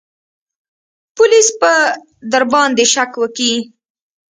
پوليس به درباندې شک وکي.